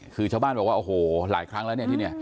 คือชาวบ้านบอกว่าโอ้โหหลายครั้งแล้วเนี่ยที่นี่